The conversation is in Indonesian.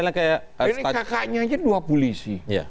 ini kakaknya aja dua polisi